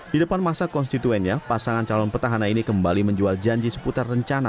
di depan masa konstituennya pasangan calon petahana ini kembali menjual janji seputar rencana